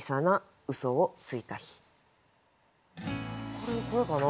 これはこれかな？